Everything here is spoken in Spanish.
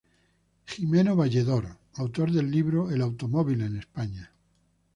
Gimeno Valledor, autor del libro "El automóvil en España.